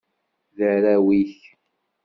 D arraw-ik.